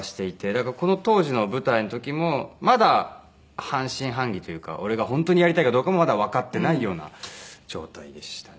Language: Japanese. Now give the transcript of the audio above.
だからこの当時の舞台の時もまだ半信半疑というか俺が本当にやりたいかどうかもまだわかっていないような状態でしたね。